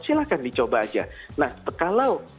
silahkan dicoba aja nah kalau